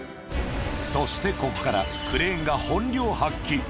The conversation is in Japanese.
そしてここからクレーンが本領発揮。